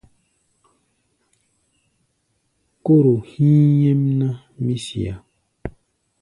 Kóro hí̧í̧ nyɛ́mná, mí siá.